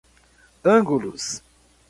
ângulos